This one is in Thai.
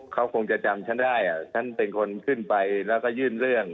เขาคงจะจำฉันได้ฉันเป็นคนขึ้นไปแล้วก็ยื่นเรื่อง